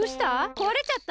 こわれちゃった？